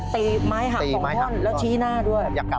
ตีไม้หามต่องผมและชี้หน้าด้วย